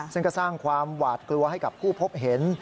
ซึ่งก็สร้างความหวาดกลัวให้กับผู้พบเห็น